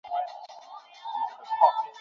রমেশ কোনো উত্তর না দিয়া একটুখানি হাসিল।